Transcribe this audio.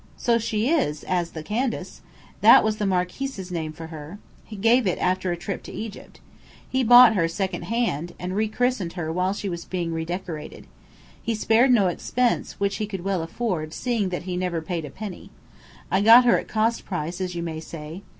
"So she is, as the Candace. That was the Marquis's name for her: gave it after a trip to Egypt. He bought her second hand, and rechristened her while she was being redecorated. He spared no expense, which he could well afford, seeing that he never paid a penny. I got her at cost price, as you may say.